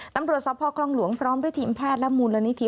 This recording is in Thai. ตำรวจสภคลองหลวงพร้อมด้วยทีมแพทย์และมูลนิธิ